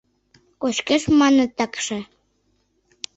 Кочкеш, маныт, такше.